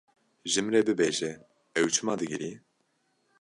Ji min re bibêje ew çima digirî?